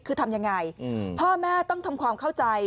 คือทำยังไงพ่อแม่ต้องทำความเข้าใจ